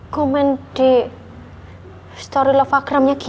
komen di slofagramnya kiki